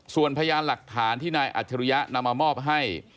ส่วนพยานหลักฐานที่นายอัจฉริยะนำมามอบให้